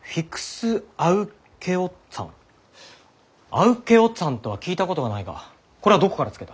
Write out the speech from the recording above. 「ａｗｋｅｏｔｓａｎｇ」とは聞いたことがないがこれはどこから付けた？